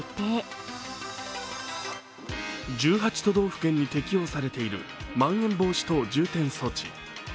１８都道府県に適用されているまん延防止等重点措置。